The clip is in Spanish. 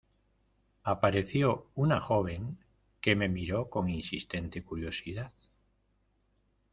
Apareció una joven que me miró con insistente curiosidad.